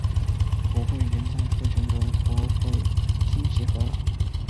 国会原在费城的国会厅集会了。